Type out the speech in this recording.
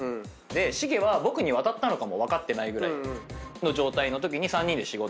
シゲは僕に渡ったのかも分かってないぐらいの状態のときに３人で仕事で。